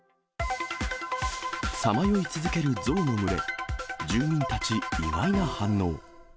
さまよい続ける象の群れ、住民たち、意外な反応。